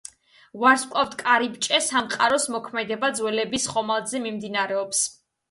ვარსკვლავთკარიბჭე: სამყაროს მოქმედება ძველების ხომალდზე მიმდინარეობს.